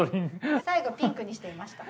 最後ピンクにしてみました。